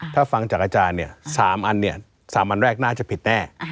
ถ้าฟังจากอาจารย์เนี่ย๓อันเนี่ย๓อันแรกน่าจะผิดแน่